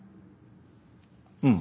うん？